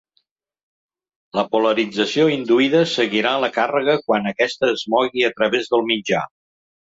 La polarització induïda seguirà la càrrega quan aquesta es mogui a través del mitjà.